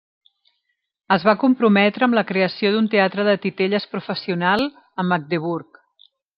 Es va comprometre amb la creació d'un teatre de titelles professional a Magdeburg.